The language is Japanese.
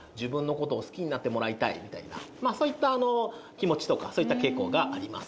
そういった気持ちとかそういった傾向があります。